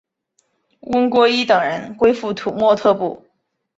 翁郭依等人归附土默特部。